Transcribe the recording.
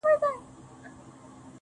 وينه د وجود مي ده ژوندی يم پرې~